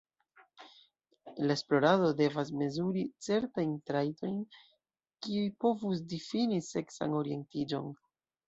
La esplorado devas mezuri certajn trajtojn kiuj povus difini seksan orientiĝon.